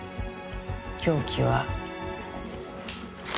凶器は。